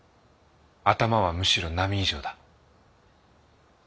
頭はむしろ並以上だ。